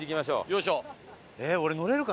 よいしょ！